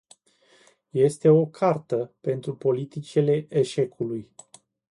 Este o cartă pentru politicile eșecului.